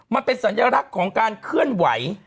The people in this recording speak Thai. มันเป็นสัญลักษณ์ของการเคลื่อนไหว